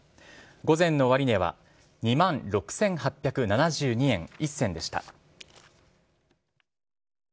午前の終値は２万６８７２円１銭でした。